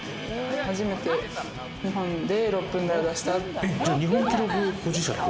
初めて日本で６分台を出した。